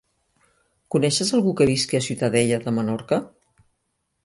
Coneixes algú que visqui a Ciutadella de Menorca?